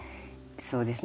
そうですね。